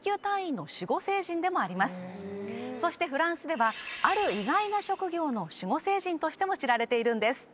そしてフランスではある意外な職業の守護聖人としても知られているんです